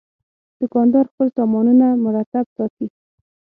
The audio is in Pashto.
دوکاندار خپل سامانونه مرتب ساتي.